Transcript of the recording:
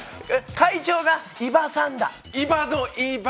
会長がイバさんだ。